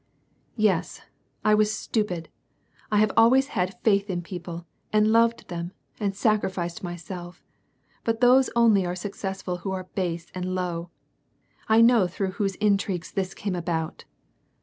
"Yes, I was stupid; I have always had faith in jjeople, and loved them, and sacrificed myself. But those only are successful who are base and low. I know through whose intrigues this came about."